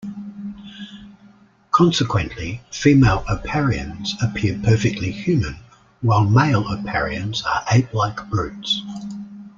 Consequently, female Oparians appear perfectly human, while male Oparians are apelike brutes.